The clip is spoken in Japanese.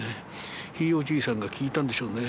「ひいおじいさん」が効いたんでしょうね。